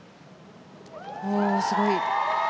おお、すごい。